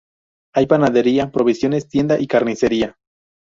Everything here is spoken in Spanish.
Hay panadería, provisiones tienda y carnicería.